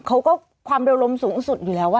เขาก็ความเร็วรมสูงสุดอยู่แล้วอ่ะ